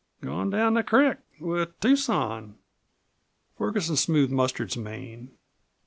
"Gone down the crick with Tucson." Ferguson smoothed Mustard's mane.